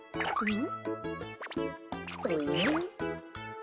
ん？